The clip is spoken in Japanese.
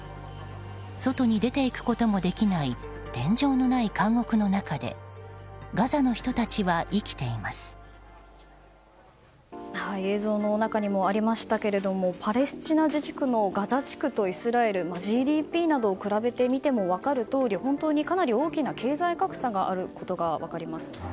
外に出て行くこともできない天井のない監獄の中で映像の中にもありましたけどもパレスチナ自治区のガザ地区とイスラエルＧＤＰなどを比べてみても分かるとおり本当にかなり大きな経済格差があることが分かります。